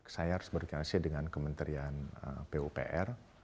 saya harus berkoordinasi dengan kementerian pupr